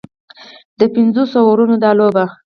د پنځوسو اورونو دا لوبه